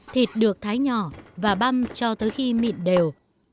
thịt được thái nhỏ và băm cho tới khi mịn đều